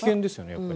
やっぱり。